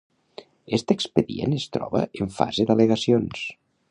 Este expedient es troba en fase d’al·legacions.